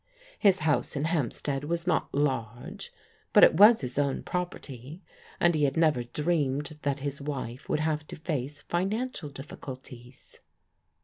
His house in Hampstead was not large, but it was his own property, and he had never dreamed that his wife would have to face financial difficulties.